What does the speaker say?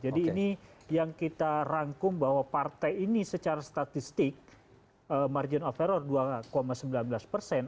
jadi ini yang kita rangkum bahwa partai ini secara statistik eee margin of error dua sembilan belas persen